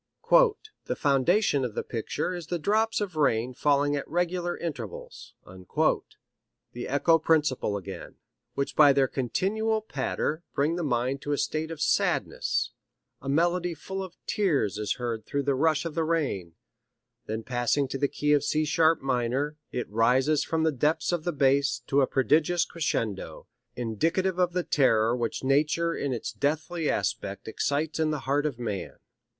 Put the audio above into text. "The foundation of the picture is the drops of rain falling at regular intervals" the echo principle again "which by their continual patter bring the mind to a state of sadness; a melody full of tears is heard through the rush of the rain; then passing to the key of C sharp minor, it rises from the depths of the bass to a prodigious crescendo, indicative of the terror which nature in its deathly aspect excites in the heart of man.